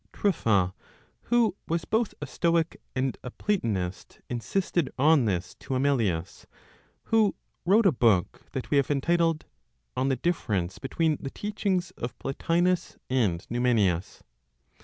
Trypho, who was both a Stoic and a Platonist, insisted on this to Amelius, who wrote a book that we have entitled, "On the Difference Between the Teachings of Plotinos and Numenius."